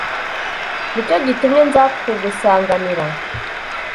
Ni cyo gitumye nza kugusanganira